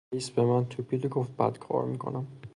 رئیس به من توپید و گفت بد کار میکنم.